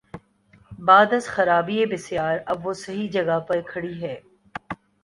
بعد از خرابیٔ بسیار، اب وہ صحیح جگہ پہ کھڑی ہے۔